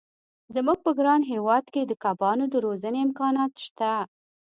زموږ په ګران هېواد کې د کبانو د روزنې امکانات شته.